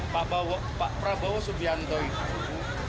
pak prabowo subianto itu